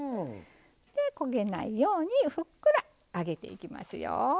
で焦げないようにふっくら揚げていきますよ。